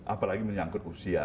apalagi menyangkut usia